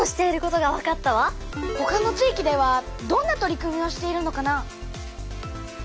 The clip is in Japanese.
ほかの地域ではどんな取り組みをしているのかな？